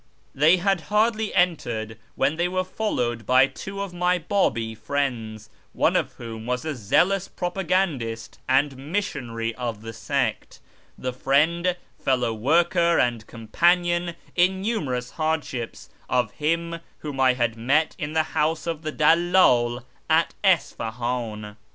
They had hardly entered when they were followed by two of my Biibi friends, one of whom was a zealous propagandist and missionary of the sect, the friend, fellow worker, and companion in numerous hardships of him whom I had met in the house of tlie dallcd at Isfahan.